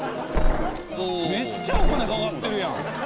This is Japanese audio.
めっちゃお金かかってるやん。